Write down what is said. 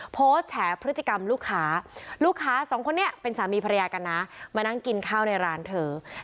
แฉพฤติกรรมลูกค้าลูกค้าสองคนนี้เป็นสามีภรรยากันนะมานั่งกินข้าวในร้านเธอ